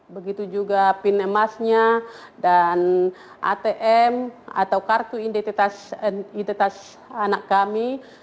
begitu juga pin emasnya dan atm atau kartu identitas anak kami